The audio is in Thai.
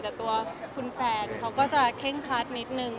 แต่ตัวคุณแฟนเขาก็จะเคร่งครัดนิดนึง